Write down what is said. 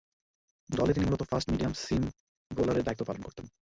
দলে তিনি মূলতঃ ফাস্ট-মিডিয়াম সিম বোলারের দায়িত্ব পালন করতেন।